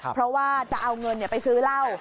เพราะว่าจะเอาเงินไปซื้อเหล้า